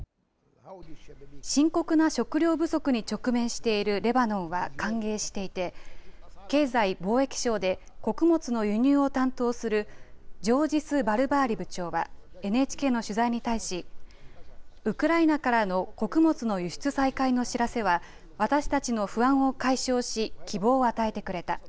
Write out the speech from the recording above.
深刻な食料不足に直面しているレバノンは歓迎していて経済・貿易省で穀物の輸入を担当するジョージス・バルバーリ部長はＮＨＫの取材に対しウクライナからの穀物の輸出再開の知らせは私たちの不安を解消し希望を与えてくれた。